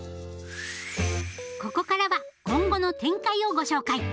ここからは今後の展開をご紹介！